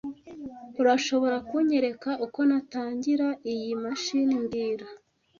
Urashobora kunyereka uko natangira iyi mashini mbwira